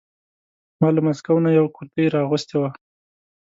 ما له مسکو نه یوه کرتۍ را اغوستې وه.